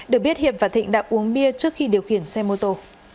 được biết hiệp và thịnh đã uống bia trước khi điều khiển xe mô tô